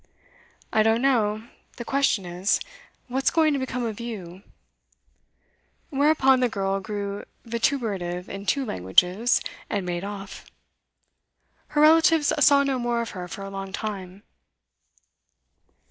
'I don't know. The question is, what's going to become of you?' Whereupon the girl grew vituperative in two languages, and made off. Her relatives saw no more of her for a long time.